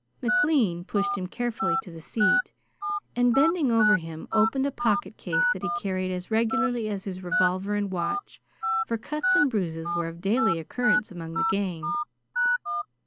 McLean pushed him carefully to the seat, and bending over him, opened a pocket case that he carried as regularly as his revolver and watch, for cuts and bruises were of daily occurrence among the gang.